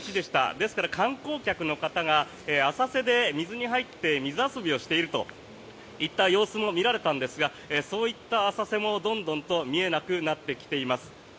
ですから観光客の方が浅瀬で水に入って水遊びをしているといった様子も見られたんですがそういった浅瀬もどんどんと見えなくなってきています。